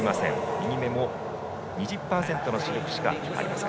右目も２０％の視力しかありません。